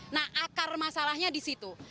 nah akar masalahnya di situ